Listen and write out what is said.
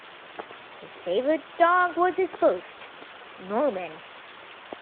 His favorite dog was his first, Norman.